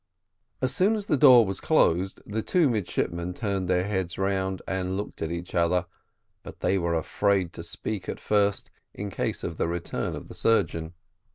As soon as the door was closed the two midshipmen turned their heads round and looked at each other, but they were afraid to speak at first, in case of the return of the surgeon.